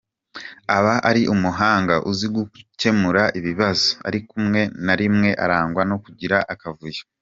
Aba ari umuhanga, uzi gukemura ibibazo ariko rimwe na rimwe arangwa no kugira akavuyo.